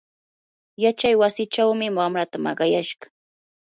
yachaywasichawmi wamraata maqayashqa.